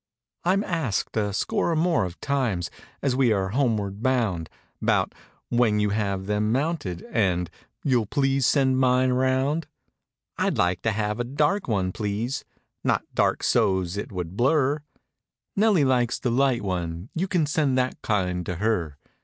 I'm asked a score or more of times. As we are homeward bound, 'Bout "When you have them mounted" And— "You'll please send mine around!" "I'd like to have a dark one please! Not dark so's it would blur." "Nellie likes the light one, you Can send that kind to her."